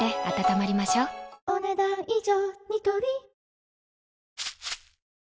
お、ねだん以上。